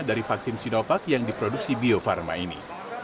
dari vaksin sinovac yang diproduksi bio farma ini